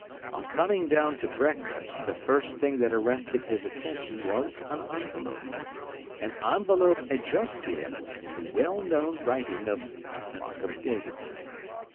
"On coming down to breakfast, the first thing that arrested his attention was an envelope—an envelope addressed to him in the well known writing of Markham Davidson.